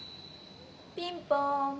「ピンポーン。